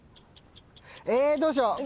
えどうしよう。